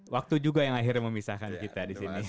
waktu juga yang akhirnya memisahkan kita disini